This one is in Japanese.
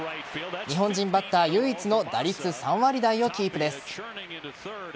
日本人バッター唯一の打率３割台をキープです。